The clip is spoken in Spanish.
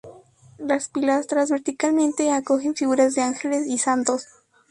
Las pilastras, verticalmente, acogen figuras de ángeles y santos.